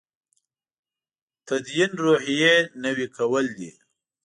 تدین روحیې نوي کول دی.